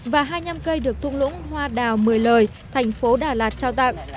và hai mươi năm cây được thung lũng hoa đào mười lời thành phố đà lạt trao tặng